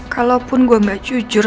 kalaupun gue gak jujur